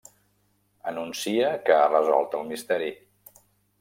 Anuncia que ha resolt el misteri.